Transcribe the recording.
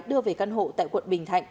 đưa về căn hộ tại quận bình thạnh